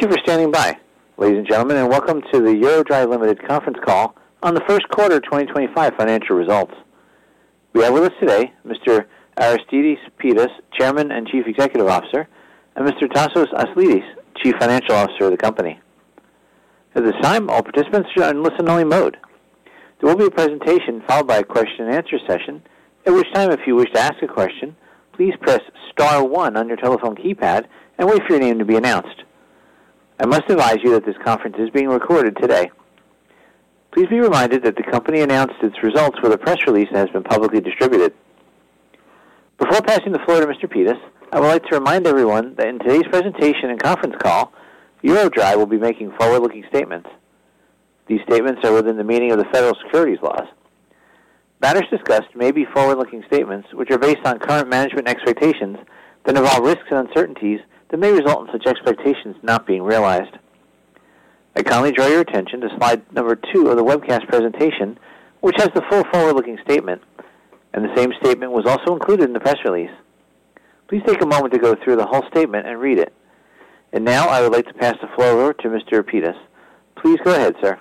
Thank you for standing by, ladies and gentlemen, and welcome to the EuroDry Ltd conference call on the first quarter 2025 financial results. We have with us today Mr. Aristides Pittas, Chairman and Chief Executive Officer, and Mr. Tasos Aslidis, Chief Financial Officer of the company. At this time, all participants are in listen-only mode. There will be a presentation followed by a question-and-answer session, at which time, if you wish to ask a question, please press star one on your telephone keypad and wait for your name to be announced. I must advise you that this conference is being recorded today. Please be reminded that the company announced its results with a press release that has been publicly distributed. Before passing the floor to Mr. Pittas, I would like to remind everyone that in today's presentation and conference call, EuroDry will be making forward-looking statements. These statements are within the meaning of the federal securities laws. Matters discussed may be forward-looking statements which are based on current management expectations, but involve risks and uncertainties that may result in such expectations not being realized. I kindly draw your attention to slide number two of the webcast presentation, which has the full forward-looking statement, and the same statement was also included in the press release. Please take a moment to go through the whole statement and read it. I would like to pass the floor over to Mr. Pittas. Please go ahead, sir.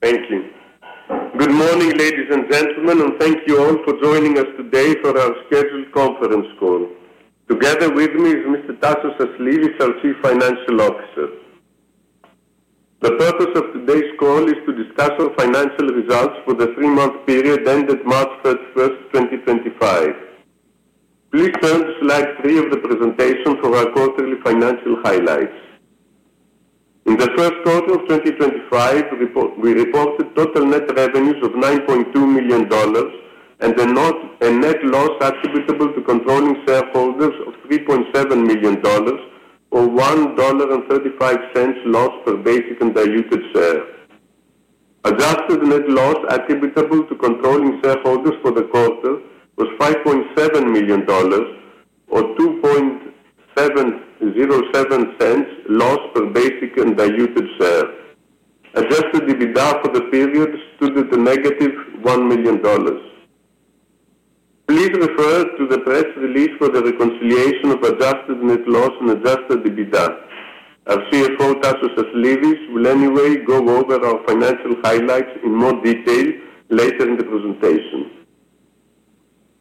Thank you. Good morning, ladies and gentlemen, and thank you all for joining us today for our scheduled conference call. Together with me is Mr. Tasos Aslidis, our Chief Financial Officer. The purpose of today's call is to discuss our financial results for the three-month period ended March 31st, 2025. Please turn to slide three of the presentation for our quarterly financial highlights. In the first quarter of 2025, we reported total net revenues of $9.2 million and a net loss attributable to controlling shareholders of $3.7 million, or $1.35 lost per basic and diluted share. Adjusted net loss attributable to controlling shareholders for the quarter was $5.7 million, or $2.707 lost per basic and diluted share. Adjusted EBITDA for the period stood at a -$1 million. Please refer to the press release for the reconciliation of adjusted net loss and adjusted EBITDA. Our CFO, Tasos Aslidis, will anyway go over our financial highlights in more detail later in the presentation.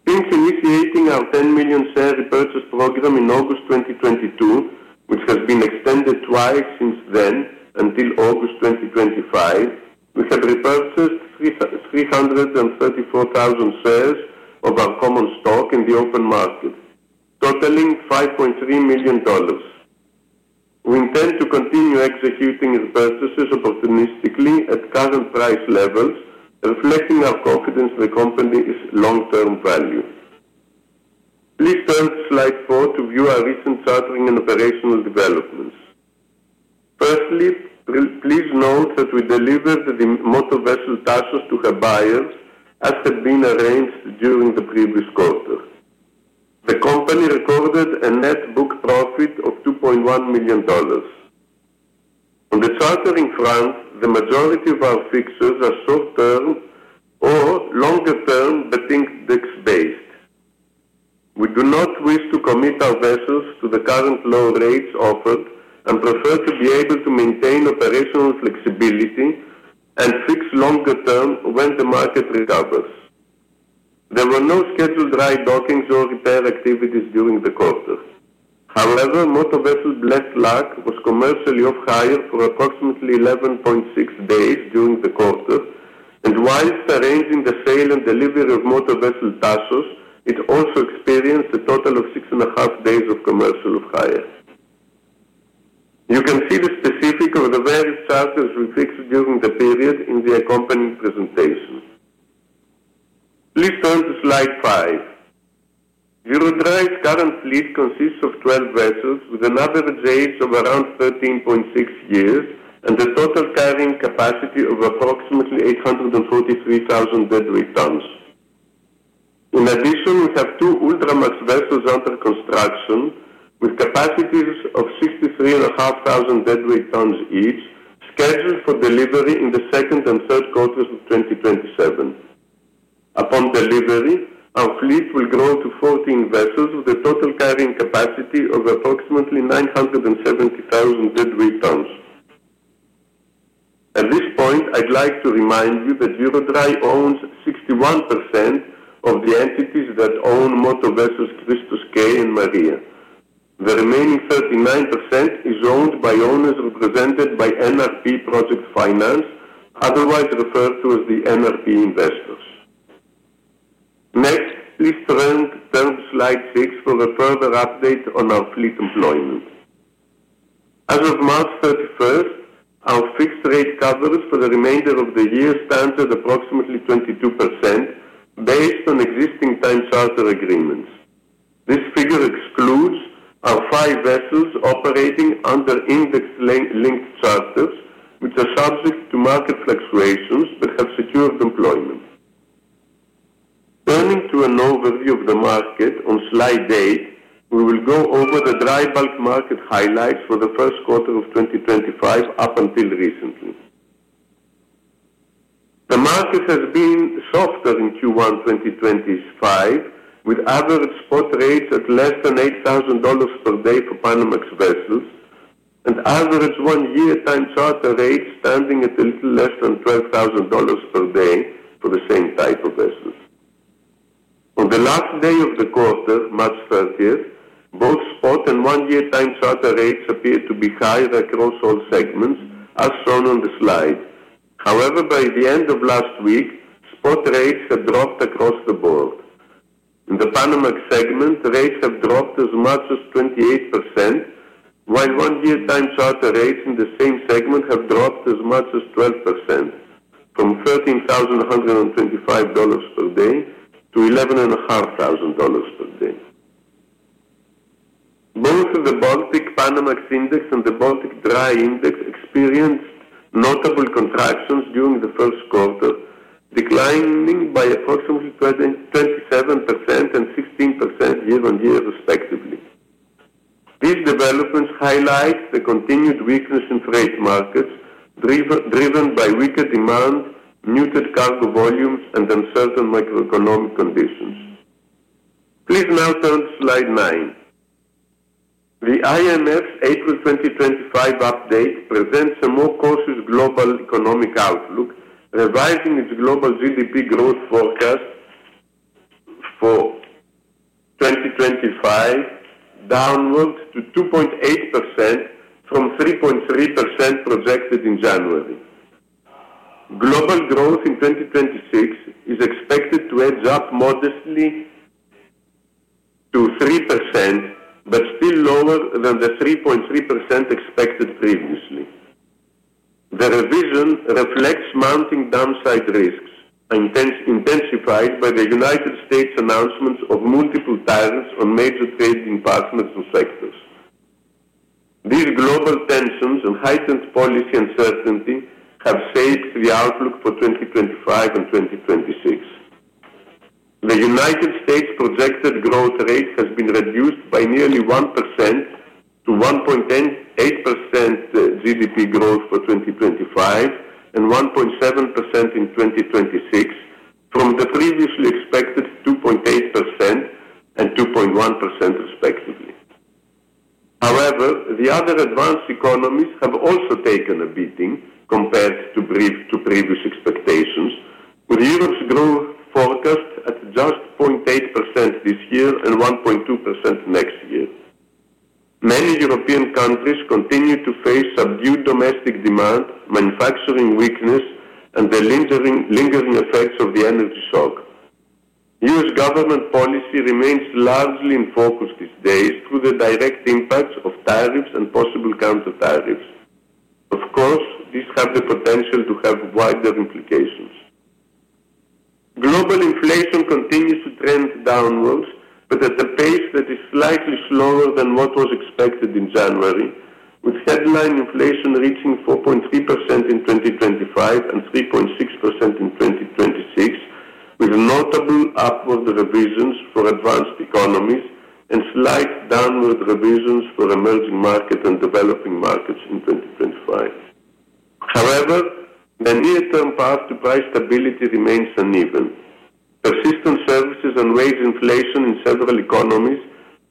Since initiating our $10 million share repurchase program in August 2022, which has been extended twice since then until August 2025, we have repurchased 334,000 shares of our common stock in the open market, totaling $5.3 million. We intend to continue executing repurchases opportunistically at current price levels, reflecting our confidence in the company's long-term value. Please turn to slide four to view our recent chartering and operational developments. Firstly, please note that we delivered the Motor Vessel Tasos to her buyers, as had been arranged during the previous quarter. The company recorded a net book profit of $2.1 million. On the chartering front, the majority of our fixtures are short-term or longer-term betting index-based. We do not wish to commit our vessels to the current low rates offered and prefer to be able to maintain operational flexibility and fix longer-term when the market recovers. There were no scheduled dry dockings or repair activities during the quarter. However, Motor Vessel Blacklock was commercially off-hire for approximately 11.6 days during the quarter, and whilst arranging the sale and delivery of Motor Vessel Tasos, it also experienced a total of six and a half days of commercial off-hire. You can see the specifics of the various charters we fixed during the period in the accompanying presentation. Please turn to slide five. EuroDry's current fleet consists of 12 vessels with an average age of around 13.6 years and a total carrying capacity of approximately 843,000 deadweight tons. In addition, we have two Ultramax vessels under construction with capacities of 63,500 deadweight tons each, scheduled for delivery in the second and third quarters of 2027. Upon delivery, our fleet will grow to 14 vessels with a total carrying capacity of approximately 970,000 deadweight tons. At this point, I'd like to remind you that EuroDry owns 61% of the entities that own Motor Vessels Christos K and Maria. The remaining 39% is owned by owners represented by NRP Project Finance, otherwise referred to as the NRP investors. Next, please turn to slide six for a further update on our fleet employment. As of March 31st, our fixed rate coverage for the remainder of the year stands at approximately 22% based on existing time charter agreements. This figure excludes our five vessels operating under index-linked charters, which are subject to market fluctuations but have secured employment. Turning to an overview of the market on slide eight, we will go over the dry bulk market highlights for the first quarter of 2025 up until recently. The market has been softer in Q1 2025, with average spot rates at less than $8,000 per day for Panamax vessels and average one-year time charter rates standing at a little less than $12,000 per day for the same type of vessels. On the last day of the quarter, March 30th, both spot and one-year time charter rates appeared to be higher across all segments, as shown on the slide. However, by the end of last week, spot rates had dropped across the board. In the Panamax segment, rates have dropped as much as 28%, while one-year time charter rates in the same segment have dropped as much as 12%, from $13,125 per day to $11,500 per day. Both the Baltic Panamax Index and the Baltic Dry Index experienced notable contractions during the first quarter, declining by approximately 27% and 16% year-on-year, respectively. These developments highlight the continued weakness in trade markets driven by weaker demand, muted cargo volumes, and uncertain macroeconomic conditions. Please now turn to slide nine. The IMF's April 2025 update presents a more cautious global economic outlook, revising its global GDP growth forecast for 2025 downward to 2.8% from 3.3% projected in January. Global growth in 2026 is expected to edge up modestly to 3%, but still lower than the 3.3% expected previously. The revision reflects mounting downside risks, intensified by the U.S. announcements of multiple tariffs on major trade departments and sectors. These global tensions and heightened policy uncertainty have shaped the outlook for 2025 and 2026. The United States' projected growth rate has been reduced by nearly 1% to 1.8% GDP growth for 2025 and 1.7% in 2026, from the previously expected 2.8% and 2.1%, respectively. However, the other advanced economies have also taken a beating compared to previous expectations, with Europe's growth forecast at just 0.8% this year and 1.2% next year. Many European countries continue to face subdued domestic demand, manufacturing weakness, and the lingering effects of the energy shock. U.S. government policy remains largely in focus these days through the direct impacts of tariffs and possible counter-tariffs. Of course, these have the potential to have wider implications. Global inflation continues to trend downwards, but at a pace that is slightly slower than what was expected in January, with headline inflation reaching 4.3% in 2025 and 3.6% in 2026, with notable upward revisions for advanced economies and slight downward revisions for emerging markets and developing markets in 2025. However, the near-term path to price stability remains uneven. Persistent services and wage inflation in several economies,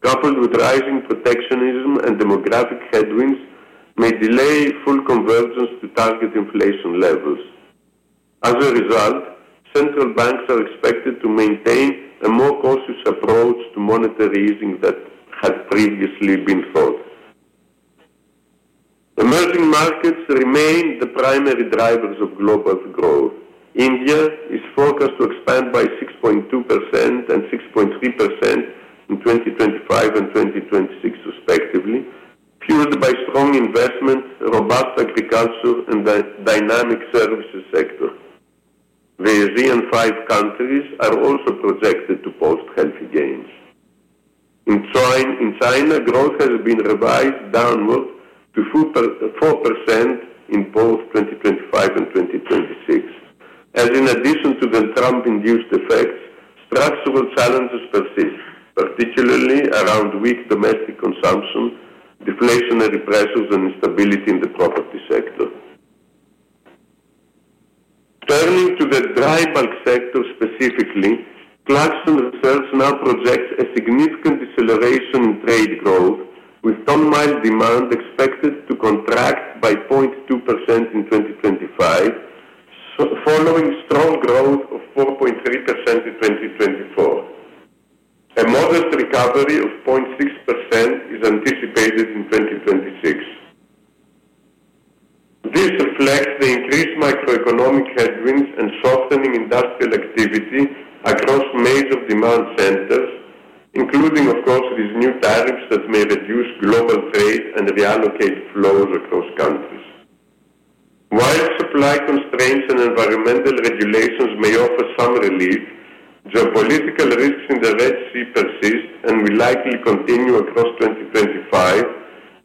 coupled with rising protectionism and demographic headwinds, may delay full convergence to target inflation levels. As a result, central banks are expected to maintain a more cautious approach to monetary easing than had previously been thought. Emerging markets remain the primary drivers of global growth. India is forecast to expand by 6.2% and 6.3% in 2025 and 2026, respectively, fueled by strong investment, robust agriculture, and the dynamic services sector. The ASEAN five countries are also projected to post healthy gains. In China, growth has been revised downward to 4% in both 2025 and 2026. As in addition to the Trump-induced effects, structural challenges persist, particularly around weak domestic consumption, deflationary pressures, and instability in the property sector. Turning to the dry bulk sector specifically, Clarksons Research now projects a significant deceleration in trade growth, with ton-mile demand expected to contract by 0.2% in 2025, following strong growth of 4.3% in 2024. A modest recovery of 0.6% is anticipated in 2026. This reflects the increased macroeconomic headwinds and softening industrial activity across major demand centers, including, of course, these new tariffs that may reduce global trade and reallocate flows across countries. While supply constraints and environmental regulations may offer some relief, geopolitical risks in the Red Sea persist and will likely continue across 2025,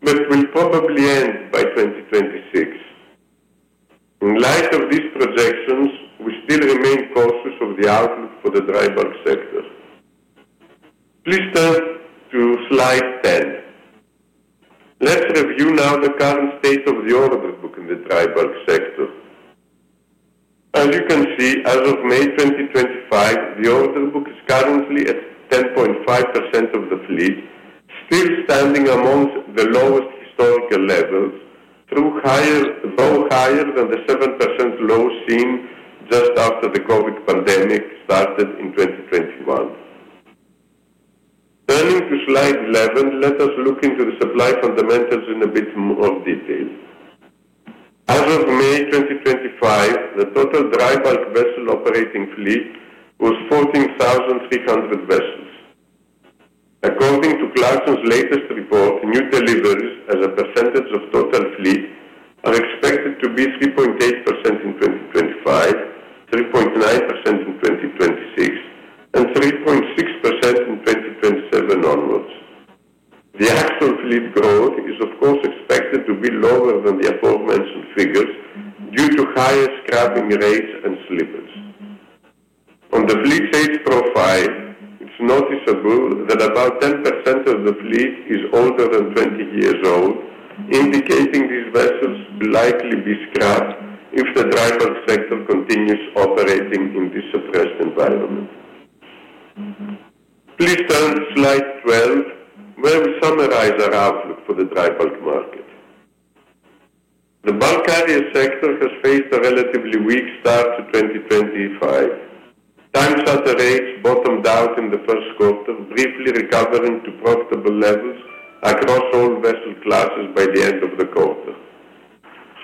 but will probably end by 2026. In light of these projections, we still remain cautious of the outlook for the dry bulk sector. Please turn to slide 10. Let's review now the current state of the order book in the dry bulk sector. As you can see, as of May 2025, the order book is currently at 10.5% of the fleet, still standing amongst the lowest historical levels, though higher than the 7% low seen just after the COVID pandemic started in 2021. Turning to slide 11, let us look into the supply fundamentals in a bit more detail. As of May 2025, the total dry bulk vessel operating fleet was 14,300 vessels. According to Clarkson Research's latest report, new deliveries as a percentage of total fleet are expected to be 3.8% in 2025, 3.9% in 2026, and 3.6% in 2027 onwards. The actual fleet growth is, of course, expected to be lower than the aforementioned figures due to higher scrubbing rates and slippage. On the fleet sales profile, it is noticeable that about 10% of the fleet is older than 20 years old, indicating these vessels will likely be scrapped if the dry bulk sector continues operating in this suppressed environment. Please turn to slide 12, where we summarize our outlook for the dry bulk market. The bulk carrier sector has faced a relatively weak start to 2025. Time charter rates bottomed out in the first quarter, briefly recovering to profitable levels across all vessel classes by the end of the quarter.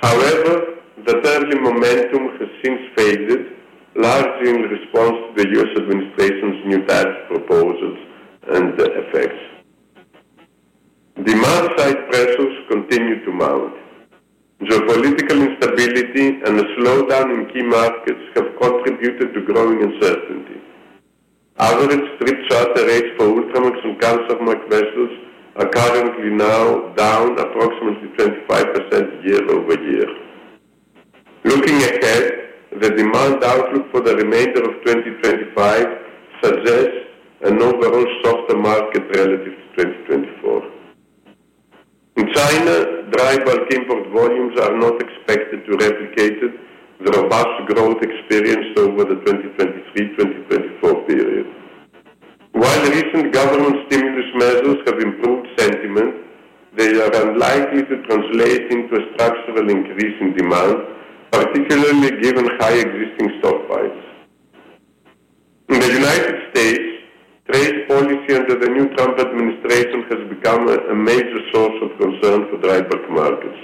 However, the turbulent momentum has since faded, largely in response to the U.S. administration's new tariff proposals and effects. Demand-side pressures continue to mount. Geopolitical instability and a slowdown in key markets have contributed to growing uncertainty. Average trip charter rates for Ultramax and vessels are currently now down approximately 25% year-over-year. Looking ahead, the demand outlook for the remainder of 2025 suggests an overall softer market relative to 2024. In China, dry bulk import volumes are not expected to replicate the robust growth experienced over the 2023-2024 period. While recent government stimulus measures have improved sentiment, they are unlikely to translate into a structural increase in demand, particularly given high existing stockpiles. In the U.S., trade policy under the new Trump administration has become a major source of concern for dry bulk markets.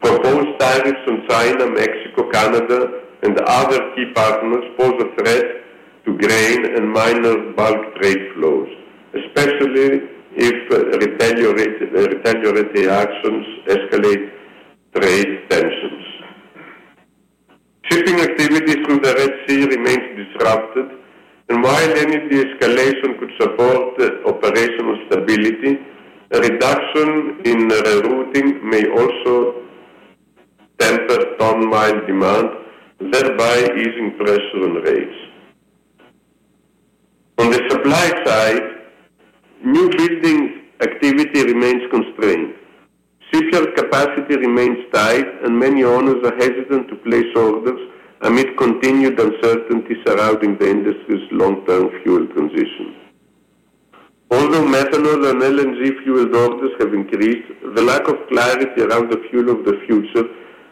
Proposed tariffs on China, Mexico, Canada, and other key partners pose a threat to grain and minor bulk trade flows, especially if retaliatory actions escalate trade tensions. Shipping activity through the Red Sea remains disrupted, and while any de-escalation could support operational stability, a reduction in rerouting may also temper ton-mile demand, thereby easing pressure on rates. On the supply side, new building activity remains constrained. Shipyard capacity remains tight, and many owners are hesitant to place orders amid continued uncertainties surrounding the industry's long-term fuel transition. Although methanol and LNG fueled orders have increased, the lack of clarity around the fuel of the future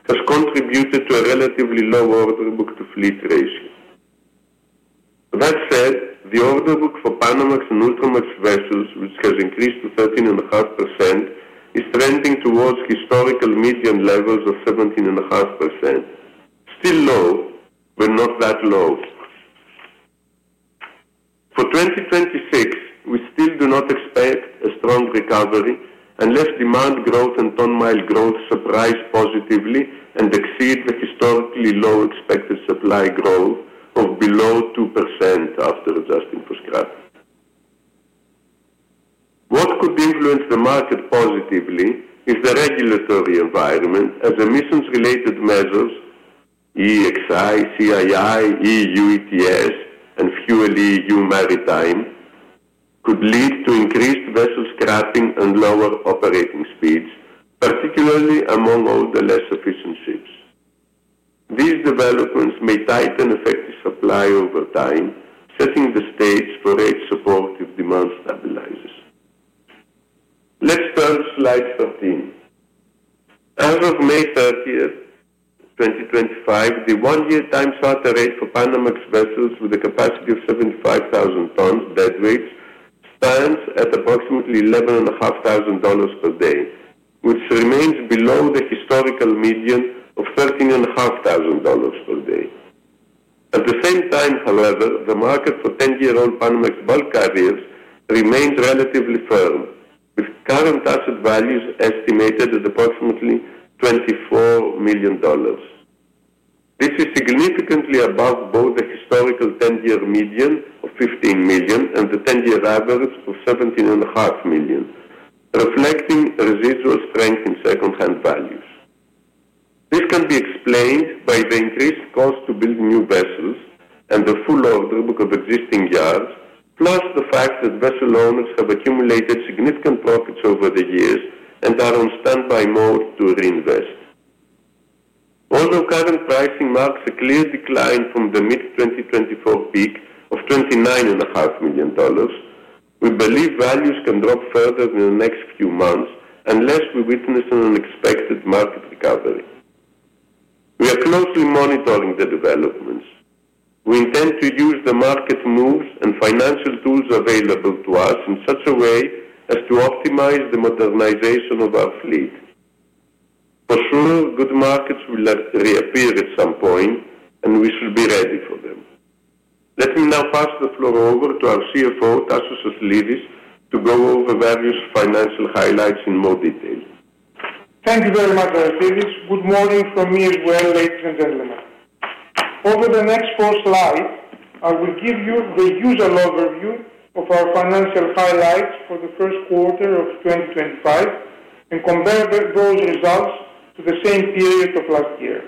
has contributed to a relatively low order book to fleet ratio. That said, the order book for Panamax and Ultramax vessels, which has increased to 13.5%, is trending towards historical median levels of 17.5%, still low, but not that low. For 2026, we still do not expect a strong recovery unless demand growth and ton-mile growth surprise positively and exceed the historically low expected supply growth of below 2% after adjusting for scrapping. What could influence the market positively is the regulatory environment, as emissions-related measures—EEXI, CII, EU ETS, and FuelEU Maritime—could lead to increased vessel scrapping and lower operating speeds, particularly among all the less efficient ships. These developments may tighten effective supply over time, setting the stage for rate support if demand stabilizes. Let's turn to slide 13. As of May 30th, 2025, the one-year time charter rate for Panamax vessels with a capacity of 75,000 deadweight tons stands at approximately $11,500 per day, which remains below the historical median of $13,500 per day. At the same time, however, the market for 10-year-old Panamax bulk carriers remains relatively firm, with current asset values estimated at approximately $24 million. This is significantly above both the historical 10-year median of $15 million and the 10-year average of $17.5 million, reflecting residual strength in second-hand values. This can be explained by the increased cost to build new vessels and the full order book of existing yards, plus the fact that vessel owners have accumulated significant profits over the years and are on standby mode to reinvest. Although current pricing marks a clear decline from the mid-2024 peak of $29.5 million, we believe values can drop further in the next few months unless we witness an unexpected market recovery. We are closely monitoring the developments. We intend to use the market moves and financial tools available to us in such a way as to optimize the modernization of our fleet. For sure, good markets will reappear at some point, and we should be ready for them. Let me now pass the floor over to our CFO, Tasos Aslidis, to go over various financial highlights in more detail. Thank you very much, Aristides. Good morning from me as well, ladies and gentlemen. Over the next four slides, I will give you the usual overview of our financial highlights for the first quarter of 2025 and compare those results to the same period of last year.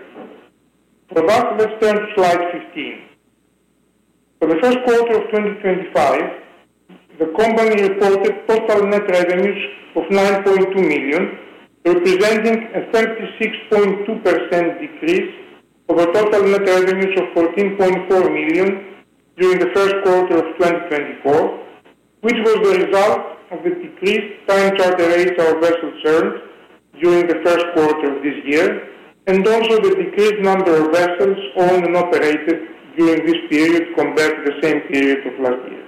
For that, let's turn to slide 15. For the first quarter of 2025, the company reported total net revenues of $9.2 million, representing a 36.2% decrease over total net revenues of $14.4 million during the first quarter of 2024, which was the result of the decreased time charter rates our vessels earned during the first quarter of this year and also the decreased number of vessels owned and operated during this period compared to the same period of last year.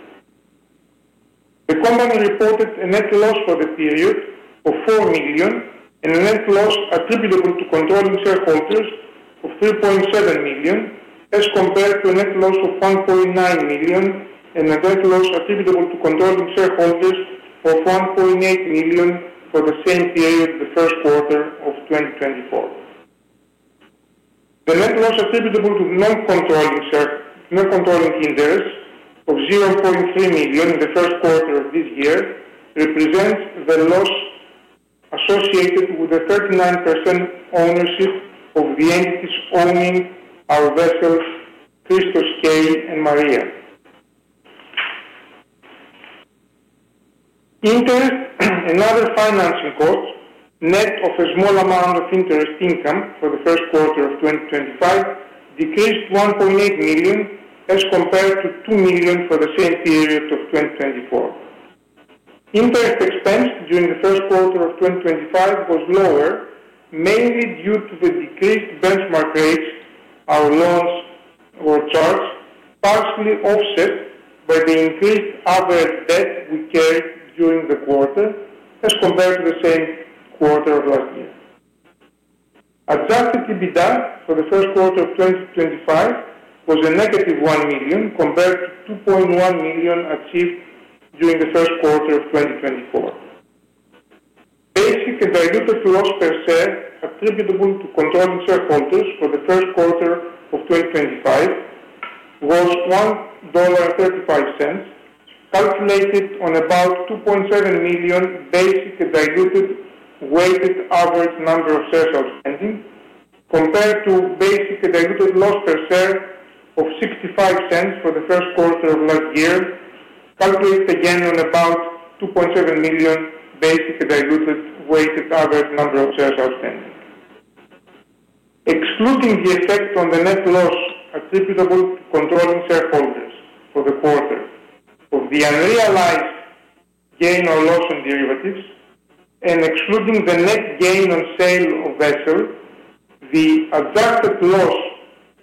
The company reported a net loss for the period of $4 million and a net loss attributable to controlling shareholders of $3.7 million as compared to a net loss of $1.9 million and a net loss attributable to controlling shareholders of $1.8 million for the same period the first quarter of 2024. The net loss attributable to non-controlling interest of $0.3 million in the first quarter of this year represents the loss associated with a 39% ownership of the entities owning our vessels, Christos K and Maria. Interest, another financing cost, net of a small amount of interest income for the first quarter of 2025, decreased to $1.8 million as compared to $2 million for the same period of 2024. Interest expense during the first quarter of 2025 was lower, mainly due to the decreased benchmark rates our loans were charged, partially offset by the increased average debt we carried during the quarter as compared to the same quarter of last year. Adjusted EBITDA for the first quarter of 2025 was a negative $1 million compared to $2.1 million achieved during the first quarter of 2024. Basic diluted loss per share attributable to controlling shareholders for the first quarter of 2025 was $1.35, calculated on about 2.7 million basic diluted weighted average number of shares outstanding, compared to basic diluted loss per share of $0.65 for the first quarter of last year, calculated again on about 2.7 million basic diluted weighted average number of shares outstanding. Excluding the effect on the net loss attributable to controlling shareholders for the quarter of the unrealized gain or loss on derivatives, and excluding the net gain on sale of vessels, the adjusted loss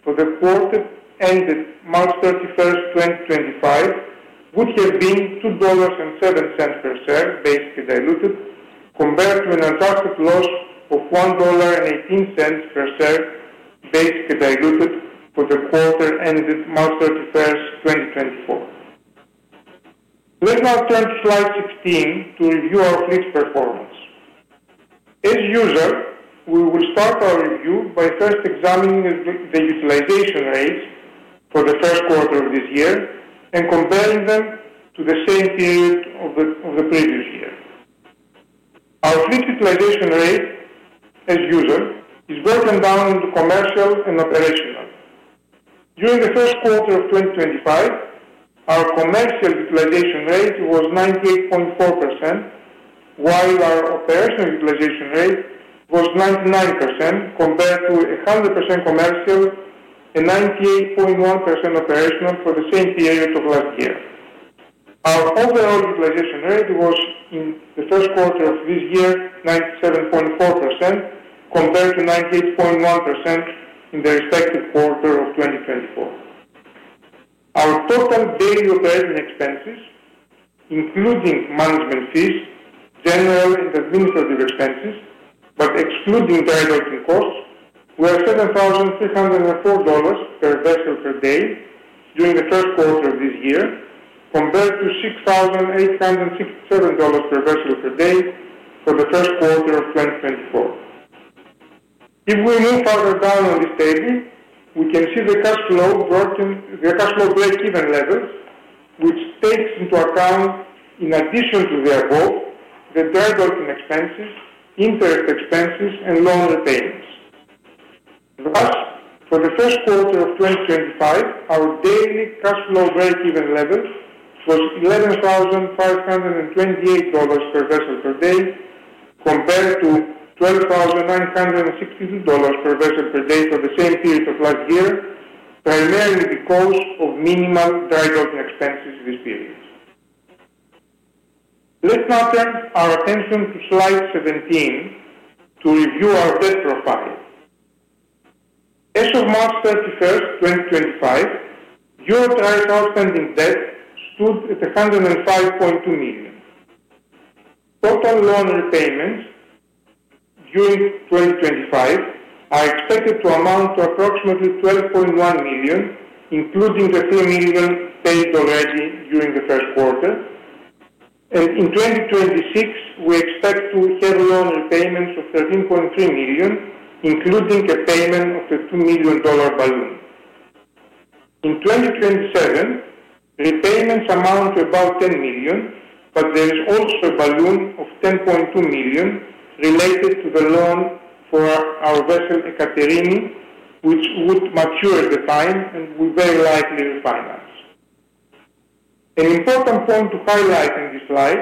for the quarter ended March 31st, 2025, would have been $2.07 per share basically diluted compared to an adjusted loss of $1.18 per share basically diluted for the quarter ended March 31st, 2024. Let's now turn to slide 16 to review our fleet's performance. As usual, we will start our review by first examining the utilization rates for the first quarter of this year and comparing them to the same period of the previous year. Our fleet utilization rate, as usual, is broken down into commercial and operational. During the first quarter of 2025, our commercial utilization rate was 98.4%, while our operational utilization rate was 99% compared to 100% commercial and 98.1% operational for the same period of last year. Our overall utilization rate was in the first quarter of this year 97.4% compared to 98.1% in the respective quarter of 2024. Our total daily operating expenses, including management fees, general, and administrative expenses, but excluding direct costs, were $7,304 per vessel per day during the first quarter of this year compared to $6,867 per vessel per day for the first quarter of 2024. If we move further down on this table, we can see the cash flow break-even levels, which takes into account, in addition to the above, the directing expenses, interest expenses, and loan repayments. Thus, for the first quarter of 2025, our daily cash flow break-even level was $11,528 per vessel per day compared to $12,962 per vessel per day for the same period of last year, primarily because of minimal directing expenses this period. Let's now turn our attention to slide 17 to review our debt profile. As of March 31st, 2025, EuroDry's outstanding debt stood at $105.2 million. Total loan repayments during 2025 are expected to amount to approximately $12.1 million, including the $3 million paid already during the first quarter. In 2026, we expect to have loan repayments of $13.3 million, including a payment of the $2 million balloon. In 2027, repayments amount to about $10 million, but there is also a balloon of $10.2 million related to the loan for our vessel Ekaterini, which would mature at the time and will very likely refinance. An important point to highlight in this slide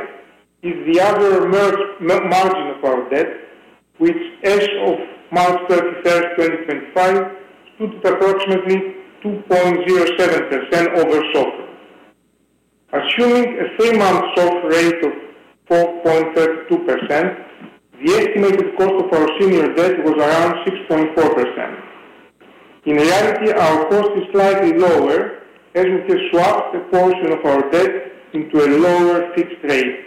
is the other margin of our debt, which as of March 31st, 2025, stood at approximately 2.07% over SOFR. Assuming a three-month SOFR rate of 4.32%, the estimated cost of our senior debt was around 6.4%. In reality, our cost is slightly lower as we can swap a portion of our debt into a lower fixed rate.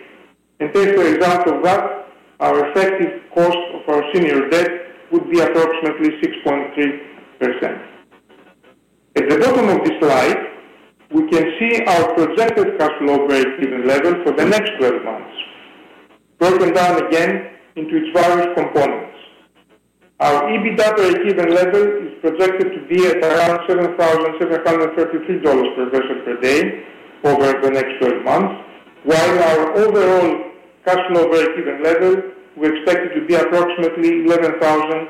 As a result of that, our effective cost of our senior debt would be approximately 6.3%. At the bottom of this slide, we can see our projected cash flow break-even level for the next 12 months, broken down again into its various components. Our EBITDA break-even level is projected to be at around $7,733 per vessel per day over the next 12 months, while our overall cash flow break-even level we expect it to be approximately $11,935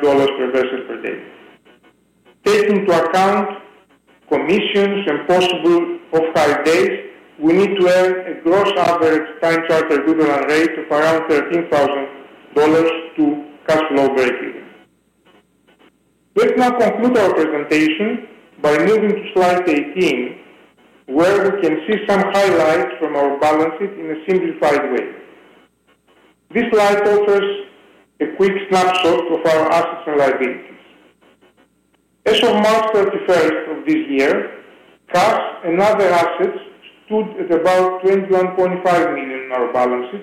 per vessel per day. Taking into account commissions and possible off-hire days, we need to have a gross average time charter equivalent rate of around $13,000 to cash flow break-even. Let's now conclude our presentation by moving to slide 18, where we can see some highlights from our balances in a simplified way. This slide offers a quick snapshot of our assets and liabilities. As of March 31st of this year, trust and other assets stood at about $21.5 million in our balances,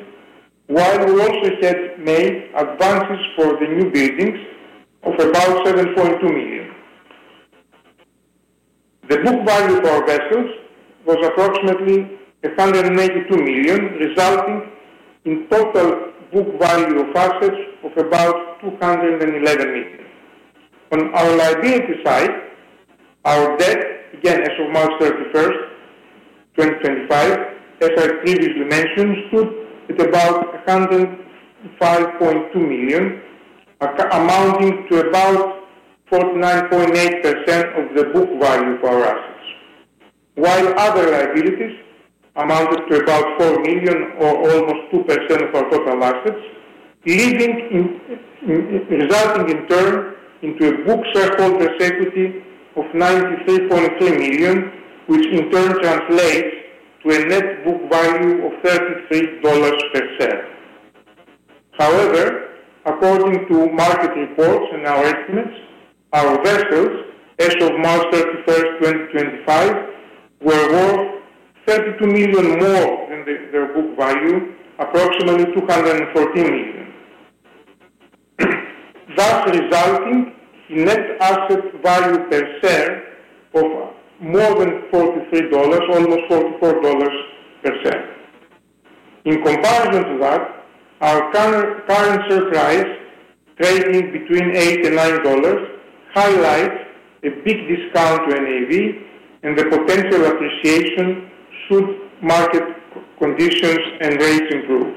while we also had made advances for the new buildings of about $7.2 million. The book value of our vessels was approximately $182 million, resulting in total book value of assets of about $211 million. On our liability side, our debt, again as of March 31st, 2025, as I previously mentioned, stood at about $105.2 million, amounting to about 49.8% of the book value of our assets, while other liabilities amounted to about $4 million, or almost 2% of our total assets, resulting in turn into a book shareholders' equity of $93.3 million, which in turn translates to a net book value of $33 per share. However, according to market reports and our estimates, our vessels as of March 31st, 2025, were worth $32 million more than their book value, approximately $214 million, thus resulting in net asset value per share of more than $43, almost $44 per share. In comparison to that, our current share price, trading between $8 and $9, highlights a big discount to NAV, and the potential appreciation should market conditions and rates improve.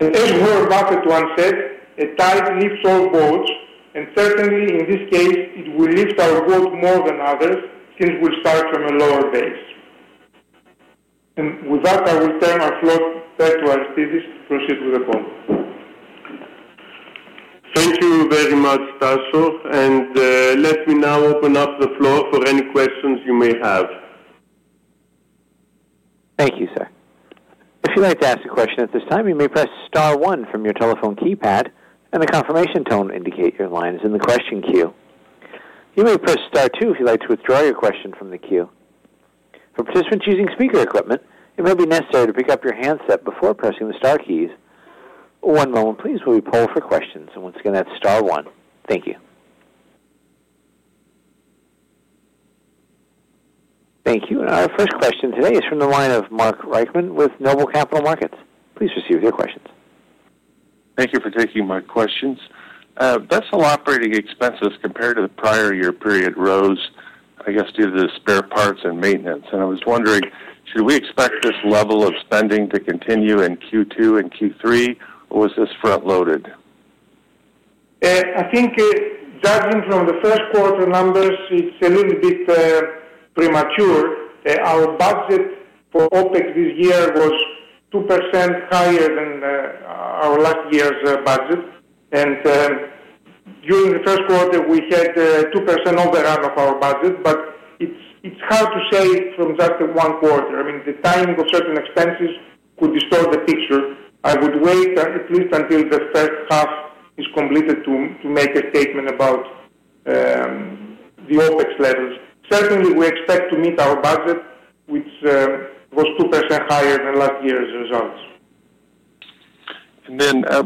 As Warren Buffett once said, "A tide lifts all boats," and certainly in this case, it will lift our boat more than others since we'll start from a lower base. With that, I will turn our floor back to Aristides to proceed with the ball. Thank you very much, Tasos, and let me now open up the floor for any questions you may have. Thank you, sir. If you'd like to ask a question at this time, you may press star one from your telephone keypad, and the confirmation tone will indicate your line is in the question queue. You may press star two if you'd like to withdraw your question from the queue. For participants using speaker equipment, it may be necessary to pick up your handset before pressing the star keys. One moment, please, while we poll for questions, and once again, that's star one. Thank you. Thank you. Our first question today is from the line of Mark Reichman with Noble Capital Markets. Please proceed with your questions. Thank you for taking my questions. Vessel operating expenses compared to the prior year period rose, I guess, due to the spare parts and maintenance. I was wondering, should we expect this level of spending to continue in Q2 and Q3, or was this front-loaded? I think, judging from the first quarter numbers, it's a little bit premature. Our budget for OpEx this year was 2% higher than our last year's budget. During the first quarter, we had a 2% overrun of our budget, but it's hard to say from just one quarter. I mean, the timing of certain expenses could distort the picture. I would wait at least until the first half is completed to make a statement about the OpEx levels. Certainly, we expect to meet our budget, which was 2% higher than last year's results.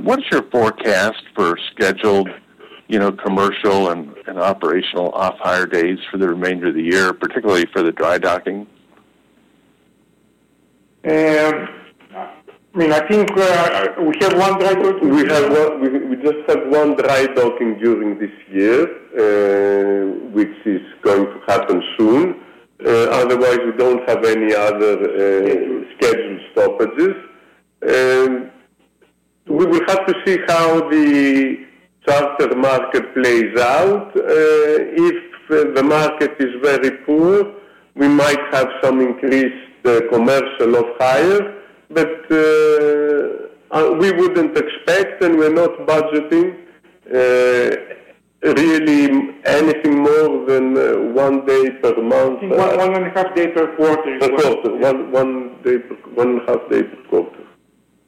What's your forecast for scheduled commercial and operational off-hire days for the remainder of the year, particularly for the dry docking? I mean, I think we have one dry docking. We just had one dry docking during this year, which is going to happen soon. Otherwise, we don't have any other scheduled stoppages. We will have to see how the charter market plays out. If the market is very poor, we might have some increased commercial off-hire, but we would not expect, and we are not budgeting really anything more than one day per month. One and a half days per quarter. Per quarter. One and a half days per quarter.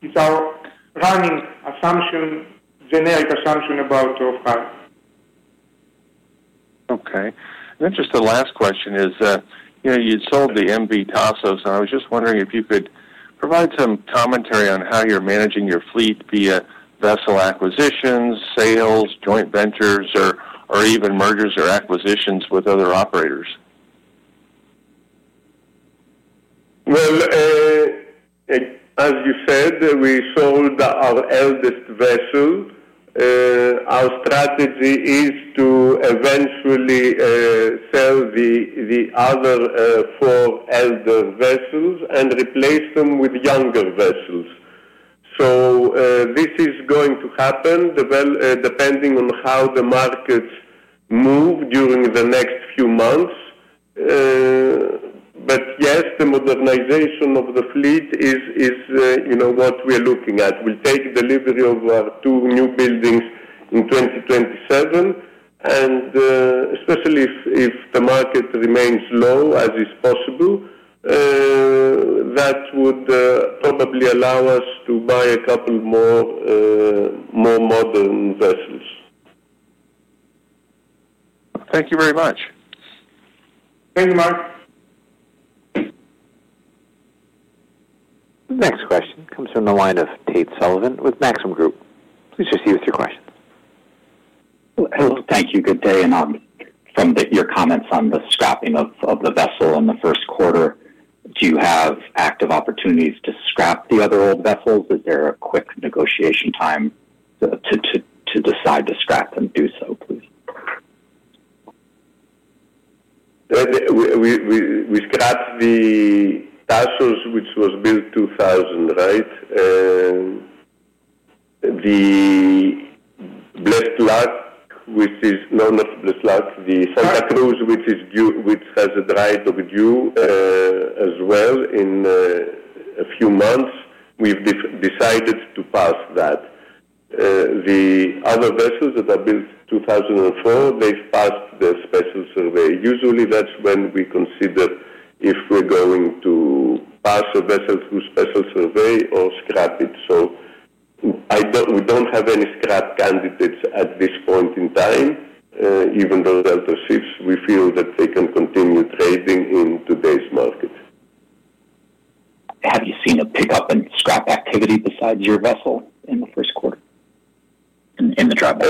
It is our running assumption, generic assumption about off-hire. Okay. And then just the last question is, you had sold the M/V Tasos, and I was just wondering if you could provide some commentary on how you are managing your fleet via vessel acquisitions, sales, joint ventures, or even mergers or acquisitions with other operators. As you said, we sold our eldest vessel. Our strategy is to eventually sell the other four elder vessels and replace them with younger vessels. This is going to happen depending on how the markets move during the next few months. Yes, the modernization of the fleet is what we're looking at. We'll take delivery of our two new buildings in 2027, and especially if the market remains low, as is possible, that would probably allow us to buy a couple more modern vessels. Thank you very much. Thank you, Mark. Next question comes from the line of Tate Sullivan with Maxim Group. Please proceed with your questions. Thank you. Good day. From your comments on the scrapping of the vessel in the first quarter, do you have active opportunities to scrap the other old vessels? Is there a quick negotiation time to decide to scrap and do so, please? We scrapped the Tasos, which was built 2000, right? The [dry dock], which is known as [dock], the Santa Cruz, which has a dry dock due as well in a few months, we've decided to pass that. The other vessels that are built 2004, they've passed the special survey. Usually, that's when we consider if we're going to pass a vessel through special survey or scrap it. We do not have any scrap candidates at this point in time, even though there are ships we feel that they can continue trading in today's market. Have you seen a pickup in scrap activity besides your vessel in the first quarter in the dry dock?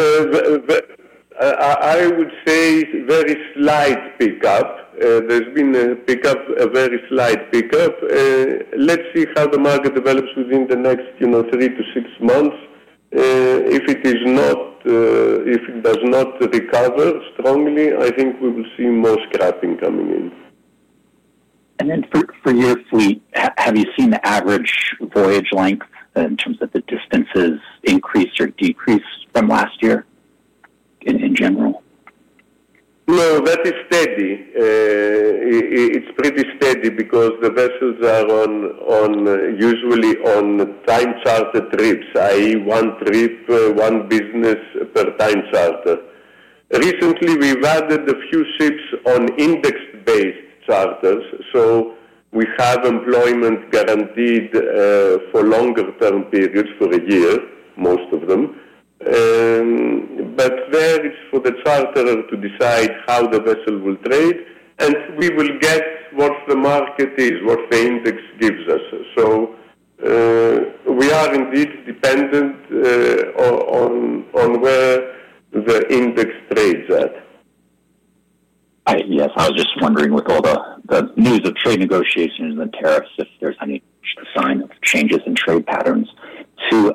I would say very slight pickup. There has been a pickup, a very slight pickup. Let's see how the market develops within the next three to six months. If it does not recover strongly, I think we will see more scrapping coming in. For your fleet, have you seen the average voyage length in terms of the distances increase or decrease from last year in general? No, that is steady. It's pretty steady because the vessels are usually on time charter trips, i.e., one trip, one business per time charter. Recently, we've added a few ships on index-based charters, so we have employment guaranteed for longer-term periods for a year, most of them. There is for the charterer to decide how the vessel will trade, and we will get what the market is, what the index gives us. We are indeed dependent on where the index trades at. Yes. I was just wondering with all the news of trade negotiations and tariffs if there's any sign of changes in trade patterns too.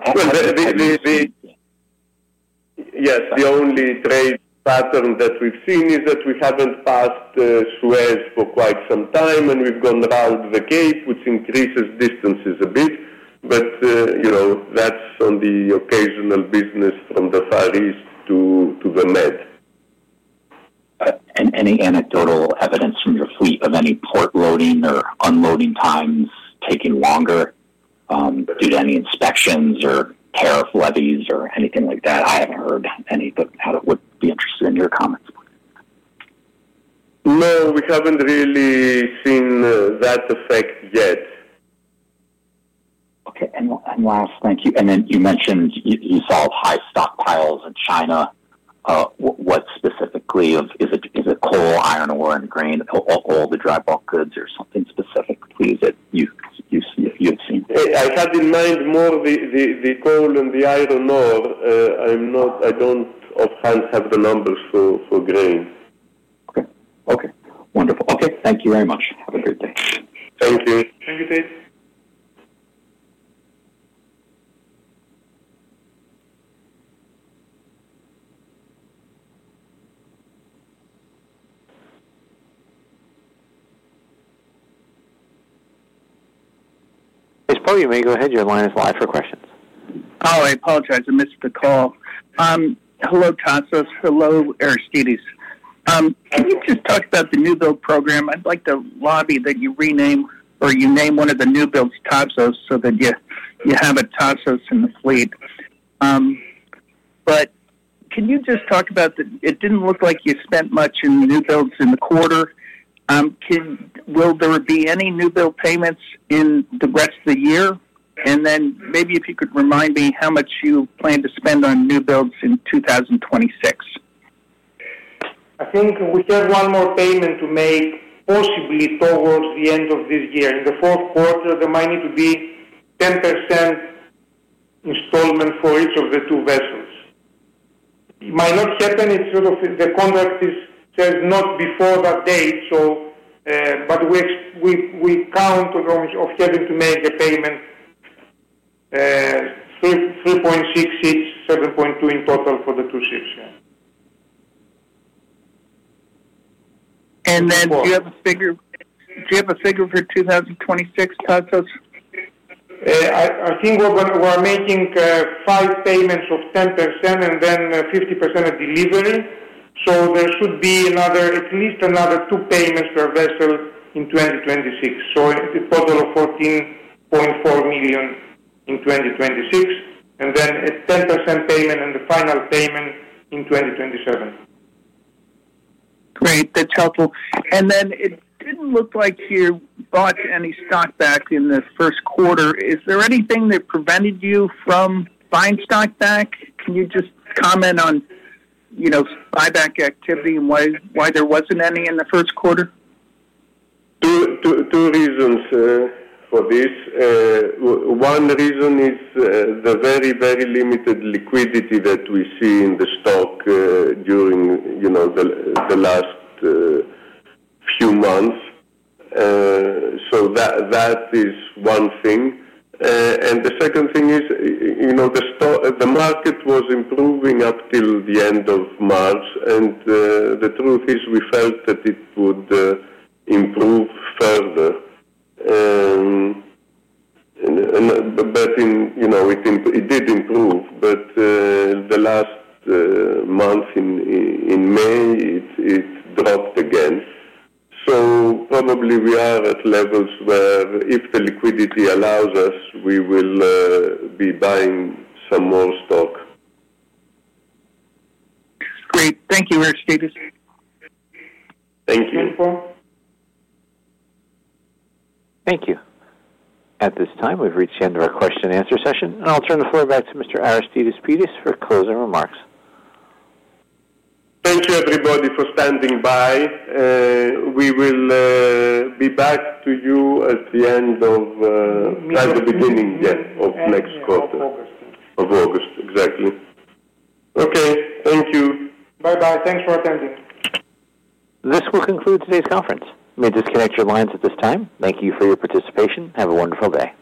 Yes. The only trade pattern that we've seen is that we haven't passed Suez for quite some time, and we've gone around the Cape, which increases distances a bit. That's on the occasional business from the Far East to the Med. Any anecdotal evidence from your fleet of any port loading or unloading times taking longer due to any inspections or tariff levies or anything like that? I haven't heard any, but I would be interested in your comments. No, we haven't really seen that effect yet. Okay. And last, thank you. Then you mentioned you saw high stockpiles in China. What specifically? Is it coal, iron ore, and grain, all the dry bulk goods, or something specific, please, that you've seen? I had in mind more the coal and the iron ore. I don't often have the numbers for grain. Okay. Okay. Wonderful. Okay. Thank you very much. Have a great day. Thank you. Thank you, Tate. It's Paul. You may go ahead. Your line is live for questions. Oh, I apologize. I missed the call. Hello, Tasos. Hello, Aristides. Can you just talk about the new build program? I'd like to lobby that you rename or you name one of the new builds Tasos so that you have a Tasos in the fleet. Can you just talk about the it didn't look like you spent much in new builds in the quarter. Will there be any new build payments in the rest of the year? Maybe if you could remind me how much you plan to spend on new builds in 2026. I think we have one more payment to make possibly towards the end of this year. In the fourth quarter, there might need to be 10% installment for each of the two vessels. It might not happen. The contract says not before that date, but we count on having to make a payment $3.66 million, $7.2 million in total for the two ships. Do you have a figure for 2026, Tasos? I think we're making five payments of 10% and then 50% at delivery. There should be at least another two payments per vessel in 2026. A total of $14.4 million in 2026, and then a 10% payment and the final payment in 2027. Great. That's helpful. It didn't look like you bought any stock back in the first quarter. Is there anything that prevented you from buying stock back? Can you just comment on buyback activity and why there wasn't any in the first quarter? Two reasons for this. One reason is the very, very limited liquidity that we see in the stock during the last few months. That is one thing. The second thing is the market was improving up till the end of March, and the truth is we felt that it would improve further. But it did improve, but the last month in May, it dropped again. So probably we are at levels where if the liquidity allows us, we will be buying some more stock. Great. Thank you, Aristides. Thank you. Thank you. At this time, we've reached the end of our question-and-answer session, and I'll turn the floor back to Mr. Aristides Pittas for closing remarks. Thank you, everybody, for standing by. We will be back to you at the end of the beginning, yeah, of next quarter. Of August. Exactly. Okay. Thank you. Bye-bye. Thanks for attending. This will conclude today's conference. May I disconnect your lines at this time? Thank you for your participation. Have a wonderful day.